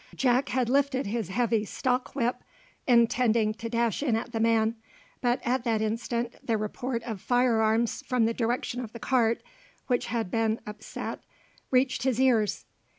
Jack had lifted his heavy stock whip, intending to dash in at the man; but at that instant the report of fire arms from the direction of the cart which had been upset reached his ears.